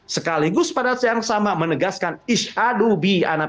sekaligus pada saat yang sama menegaskan isyadu bi ana pkb